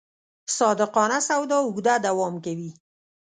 صادقانه سودا اوږده دوام کوي.